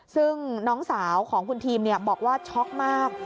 ซึ่งน้องสาวของคุณทีมบอกว่าช็อกมาก